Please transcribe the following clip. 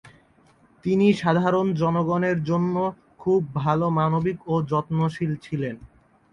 তিনি সাধারণ জনগণের জন্য খুব ভাল মানবিক ও যত্নশীল ছিলেন।